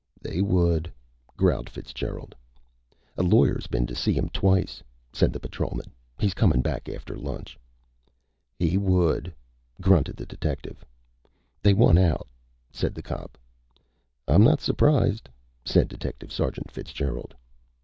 "They would," growled Fitzgerald. "A lawyer's been to see 'em twice," said the patrolman. "He's comin' back after lunch." "He would," grunted the detective. "They want out," said the cop. "I'm not surprised," said Detective Sergeant Fitzgerald.